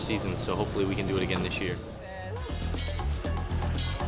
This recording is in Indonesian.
semoga kami bisa melakukannya lagi tahun ini